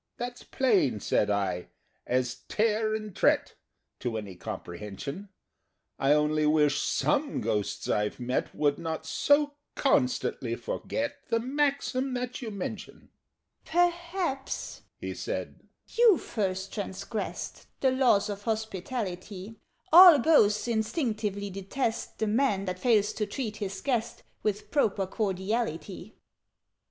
"That's plain," said I, "as Tare and Tret, To any comprehension: I only wish some Ghosts I've met Would not so constantly forget The maxim that you mention!" "Perhaps," he said, "you first transgressed The laws of hospitality: All Ghosts instinctively detest The Man that fails to treat his guest With proper cordiality.